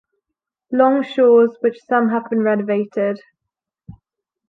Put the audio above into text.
Long shores which some have been renovated.